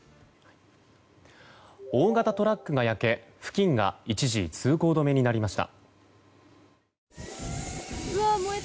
大型トラックが焼け付近が一時通行止めになりました。